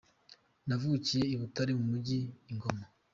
Navukiye i Butare mu mujyi i Ngoma.